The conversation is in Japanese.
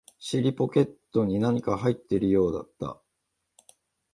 尻ポケットに何か入っているようだった